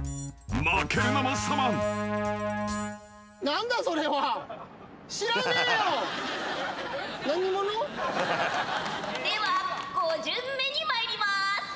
［負けるなマッサマン］では５巡目に参ります。